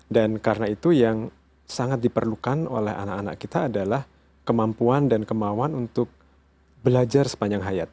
dan karena itu yang sangat diperlukan oleh anak anak kita adalah kemampuan dan kemauan untuk belajar sepanjang hayat